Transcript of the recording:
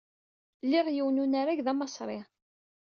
Liɣ yiwen n unarag d amaṣri.